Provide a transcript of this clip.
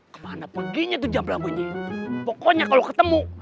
kemana peginya pokoknya kalau ketemu